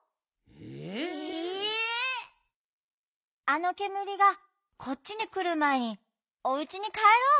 あのけむりがこっちにくるまえにおうちにかえろう！